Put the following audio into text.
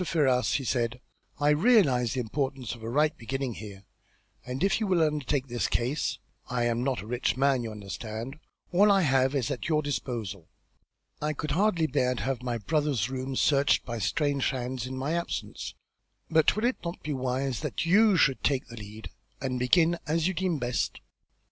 Ferrars," he said, "I realise the importance of a right beginning here, and if you will undertake this case I am not a rich man, you understand all I have is at your disposal. I could hardly bear to have my brother's rooms searched by strange hands in my absence, but will it not be wise that you should take the lead, and begin as you deem best?"